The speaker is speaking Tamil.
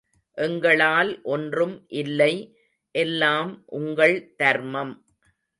எங்களால் ஒன்றும் இல்லை எல்லாம் உங்கள் தர்மம்.